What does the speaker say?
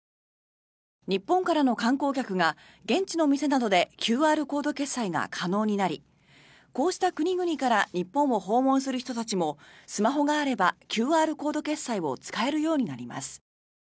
日本からの観光客が現地の店などでＱＲコード決済が可能になりこうした国々から日本を訪問する人たちもスマホがあればＱＲコード決済を使えるようになります。